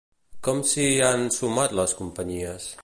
Com s'hi han sumat les companyies?